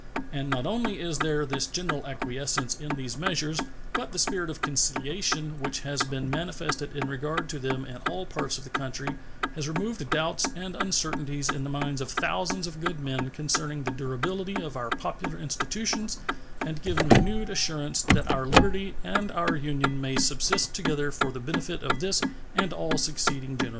And not only is there this general acquiescence in these measures, but the spirit of conciliation which has been manifested in regard to them in all parts of the country has removed doubts and uncertainties in the minds of thousands of good men concerning the durability of our popular institutions and given renewed assurance that our liberty and our Union may subsist together for the benefit of this and all succeeding generations.